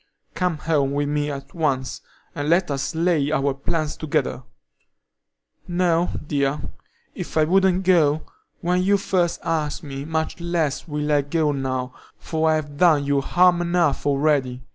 Come home with me at once, and let us lay our plans together." "No, dear; if I wouldn't go when you first asked me, much less will I go now, for I've done you harm enough already.